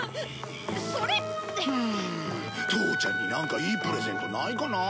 うん父ちゃんになんかいいプレゼントないかなあ。